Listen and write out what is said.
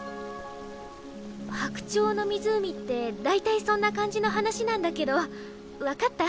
「白鳥の湖」ってだいたいそんな感じの話なんだけど分かった？